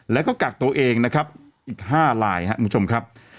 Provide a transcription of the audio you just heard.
แล้วก็กักตัวเองนะครับอีก๕ลายครับคุณผู้ชมครับ